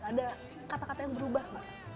ada kata kata yang berubah